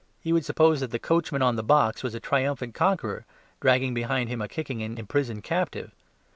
He would suppose that the coachman on the box was a triumphant conqueror, dragging behind him a kicking and imprisoned captive.